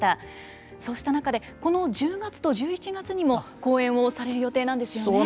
そうした中でこの１０月と１１月にも公演をされる予定なんですよね。